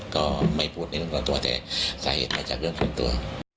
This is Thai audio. ก็ไม่พูดในเรื่องส่วนตัวแต่สาเหตุอาจจะเรื่องส่วนตัว